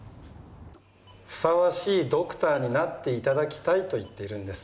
ふさわしいドクターになって頂きたいと言ってるんです。